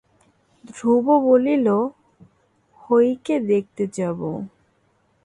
ধ্রুব বলিল, হয়িকে দেখতে যাব।